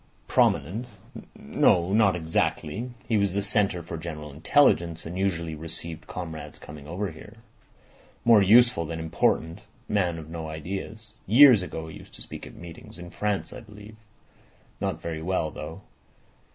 "Prominent. No, not exactly. He was the centre for general intelligence, and usually received comrades coming over here. More useful than important. Man of no ideas. Years ago he used to speak at meetings—in France, I believe. Not very well, though.